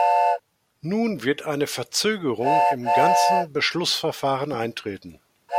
Nun wird eine Verzögerung im ganzen Beschlussverfahren eintreten.